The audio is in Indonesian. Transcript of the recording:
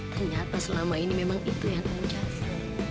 ternyata selama ini itu yang kamu jasa